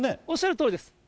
おっしゃるとおりです。